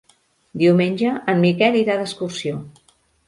Diumenge en Miquel irà d'excursió.